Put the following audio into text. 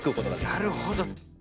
なるほど。